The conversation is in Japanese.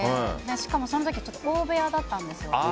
しかもその時大部屋だったんですよ。